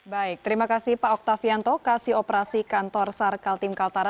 baik terima kasih pak oktavianto kasih operasi kantor sar kaltim kaltara